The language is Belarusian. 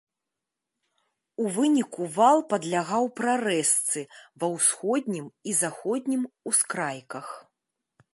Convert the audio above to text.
У выніку вал падлягаў прарэзцы ва ўсходнім і заходнім ускрайках.